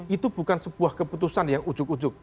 itu bukan sebuah keputusan yang ujuk ujuk